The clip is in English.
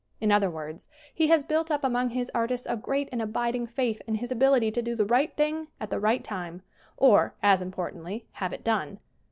In other words, he has built up among his artists a great and abiding faith in his ability to do the right thing at the right time, or, as importantly, have it done.